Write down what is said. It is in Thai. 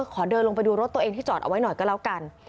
ขอเดินลงไปดูรถตัวเองที่จอดเอาไว้หน่อยก็แล้วกัน